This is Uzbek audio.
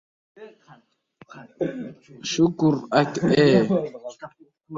— Pochchangga salom bermaysanmi?